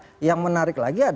sebanding dengan jumlah penonton